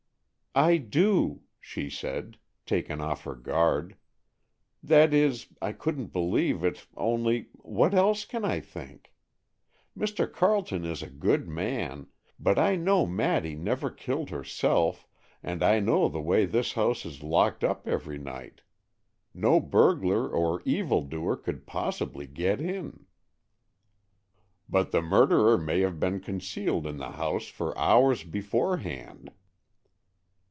"I do," she said, taken off her guard. "That is, I couldn't believe it, only, what else can I think? Mr. Carleton is a good man, but I know Maddy never killed herself, and I know the way this house is locked up every night. No burglar or evil doer could possibly get in." "But the murderer may have been concealed in the house for hours beforehand."